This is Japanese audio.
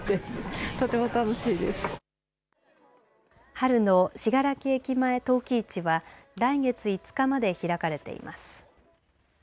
春のしがらき駅前陶器市は来月５日まで開かれています。